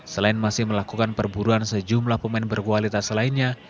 selain masih melakukan perburuan sejumlah pemain berkualitas lainnya